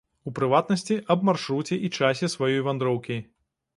У прыватнасці, аб маршруце і часе сваёй вандроўкі.